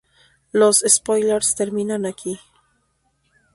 Los spoilers terminan aquí.